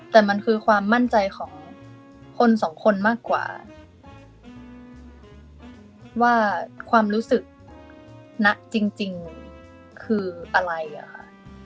แต่มันคือความมั่นใจของคนสองคนมากกว่าว่าความรู้สึกณจริงคืออะไรอะค่ะ